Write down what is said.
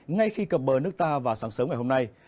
ngay khi cập bờ nước ta vào sáng sớm ngày hôm nay